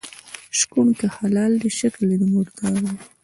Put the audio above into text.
شکوڼ که حلال ده شکل یي د مردار ده.